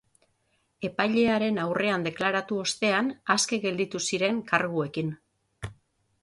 Epailearen aurrean deklaratu ostean, aske gelditu ziren karguekin.